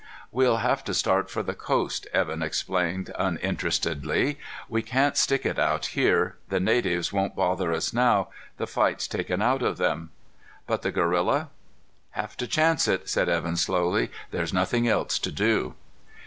"We'll have to start for the coast," Evan explained uninterestedly. "We can't stick it out here. The natives won't bother us now. The fight's taken out of them." "But the gorilla?" "Have to chance it," said Evan slowly. "There's nothing else to do."